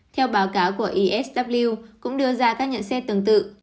theo báo cáo của isw cũng đưa ra các nhận xét tương tự